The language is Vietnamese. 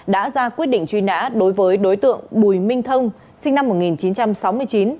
đã ra quyết định truy nã đối với đối tượng bùi minh thông sinh năm một nghìn chín trăm sáu mươi chín